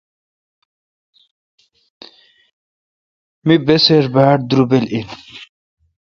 می بسِر باڑدربل این۔